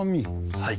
はい。